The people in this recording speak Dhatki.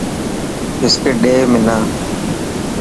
بسڪٽ ڏي حنا.